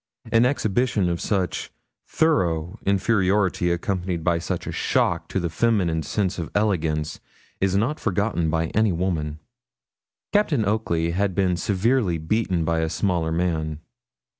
An exhibition of such thorough inferiority, accompanied by such a shock to the feminine sense of elegance, is not forgotten by any woman. Captain Oakley had been severely beaten by a smaller man.